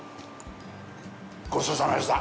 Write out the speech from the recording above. ごちそうさまでした。